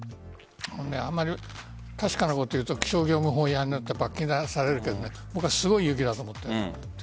あまり確かなこと言うと気象情報法違反になって罰金出されるけど僕はすごい雪だと思っている。